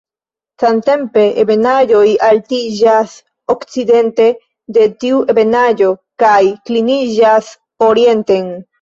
Samtempe, ebenaĵoj altiĝas okcidente de tiu ebenaĵo, kaj kliniĝas orienten.